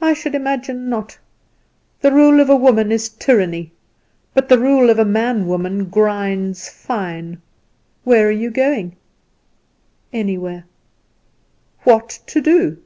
"I should imagine not. The rule of a woman is tyranny; but the rule of a man woman grinds fine. Where are you going?" "Anywhere." "What to do?"